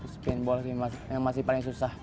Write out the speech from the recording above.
spin ball sih yang masih paling susah